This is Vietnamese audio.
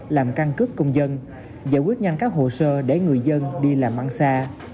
làm căn cước công dân giải quyết nhanh các hồ sơ để người dân đi làm ăn xa